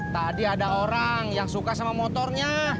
tadi ada orang yang suka sama motornya